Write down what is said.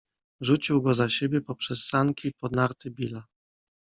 Rzucił go za siebie, poprzez sanki, pod narty Billa.